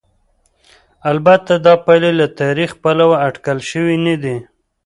البته دا پایلې له تاریخي پلوه اټکل شوې نه دي.